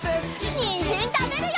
にんじんたべるよ！